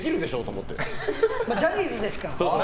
ジャニーズですから。